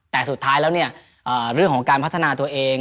แต่สุดท้ายแล้วเนี่ยเรื่องของการพัฒนาตัวเอง